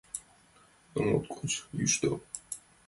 Но моткоч йӱштӧ.